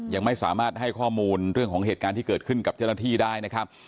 ยังไม่สามารถให้ข้อมูลเรื่องของเหตุการณ์ที่เกิดขึ้นกับเจ้าหน้าที่ได้นะครับ